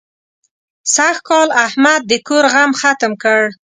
سږکال احمد د کور غم ختم کړ.